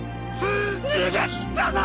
逃げきったぞ！